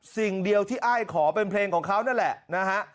สิ่งเดียวที่อ้ายขอเป็นเพลงของเขานั่นแหละนะฮะ